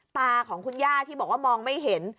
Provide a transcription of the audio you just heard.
ตาของคุณย่าว่ามองไม่เห็น